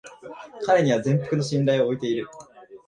彼には全幅の信頼を置いている